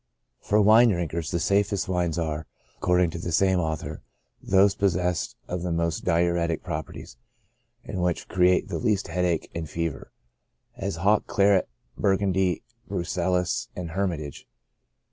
For wine drinkers, the safest wines are, ac cording to the same author,' " those possessed of the most diuretic properties, and which create the least headache and fever ; as. Hock, Claret, Burgundy, Bucellas, and Hermit age.